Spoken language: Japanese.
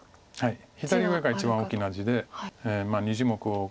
左上が一番大きな地で２０目を超えてる。